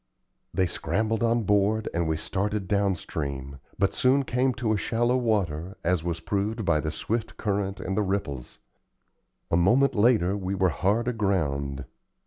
They scrambled on board, and we started down stream, but soon came to shallow water, as was proved by the swift current and the ripples. A moment later we were hard aground.